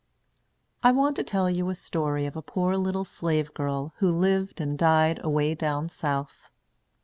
I want to tell you a story of a poor little slave girl who lived and died away down South.